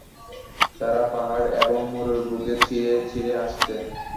তারা পাহাড় এবং মরুর বুক চিরে চিরে আসছে।